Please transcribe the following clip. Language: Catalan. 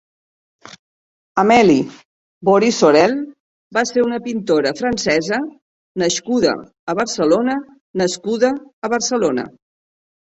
Amélie Beaury-Saurel va ser una pintora francesa nascuda a Barcelona nascuda a Barcelona.